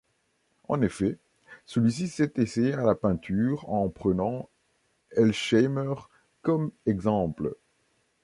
En effet, celui-ci s’est essayé à la peinture en prenant Elsheimer comme exemple.